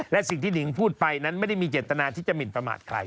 และสิ่งที่นิ่งพูดไปนั้นไม่มีเจตนาทิจมินประหมาตใคร